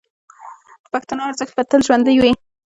د پښتنو ارزښتونه به تل ژوندي وي.